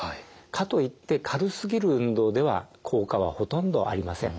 かといって軽すぎる運動では効果はほとんどありません。